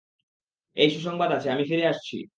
এই, সুসংবাদ আছে, আমি ফিরে আসছি।